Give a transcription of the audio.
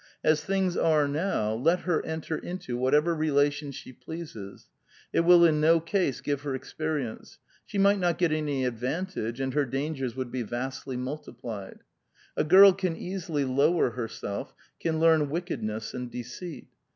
As things are now, let her enter into whatever relations she pleases ; it will in no case give her experience : she might not get any advantage, and her dangers would be vastly multiplied. A girl can easily lower iierself , can learn wickedness and deceit.